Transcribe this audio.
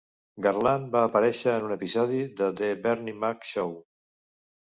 Garland va aparèixer en un episodi de The Bernie Mac Show.